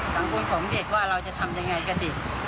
สังคมของเด็กว่าเราจะทำยังไงกันดิ